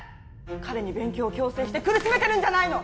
彼に勉強を強制して苦しめてるんじゃないの！